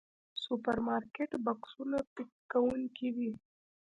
سوپرمارکېټ بکسونو پيک کوونکي دي.